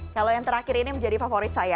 kalau yang terakhir ini menjadi favorit saya